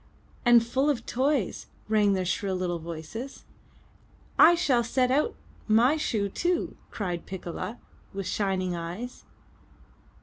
*' '*And full of toys!*' rang their shrill little voices. '1 shall set out my shoe too!" cried Piccola with shining eyes.